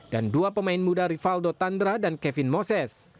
dan dua pemain muda rivaldo tandra dan kevin moses